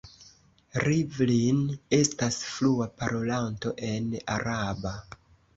Rivlin estas flua parolanto en araba.